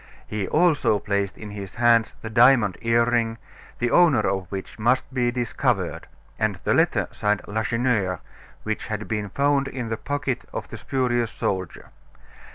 He also placed in his hands the diamond earring, the owner of which must be discovered; and the letter signed "Lacheneur," which had been found in the pocket of the spurious soldier.